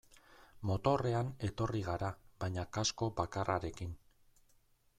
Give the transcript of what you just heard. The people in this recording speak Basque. Motorrean etorri gara baina kasko bakarrarekin.